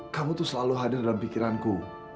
kamu tuh selalu hadir dalam pikiranku